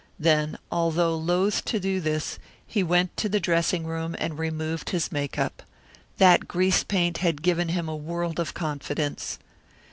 Then, although loath to do this, he went to the dressing room and removed his make up. That grease paint had given him a world of confidence.